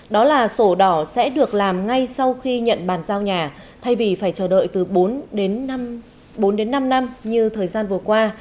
đó là sổ đỏ sẽ được làm ngay sau khi nhận bàn giao nhà thay vì phải chờ đợi từ bốn đến bốn năm năm như thời gian vừa qua